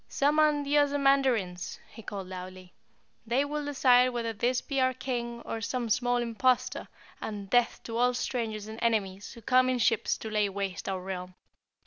"Summon the Ozamandarins," he called loudly. "They will decide whether this be our King or some small Impostor, and DEATH to all strangers and enemies who come in ships to lay waste our realm."